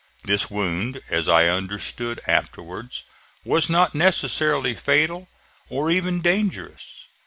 This wound, as I understood afterwards, was not necessarily fatal, or even dangerous.